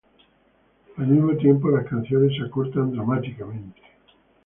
Al mismo tiempo las canciones se acortan dramáticamente.